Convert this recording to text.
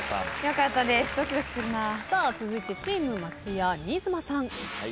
続いてチーム松也新妻さん。